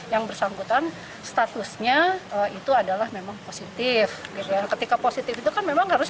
yang bersambutan statusnya itu adalah memang positif ketika positif itu kan memang harus